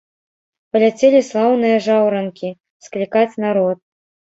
Паляцелі слаўныя жаўранкі склікаць народ.